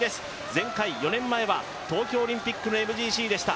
前回４年前は東京オリンピックのＭＧＣでした。